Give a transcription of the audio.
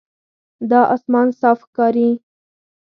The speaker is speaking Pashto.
دا آسمان صاف ښکاري.